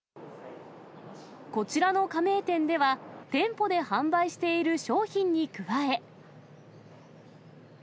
こちらの加盟店では、店舗で販売している商品に加え。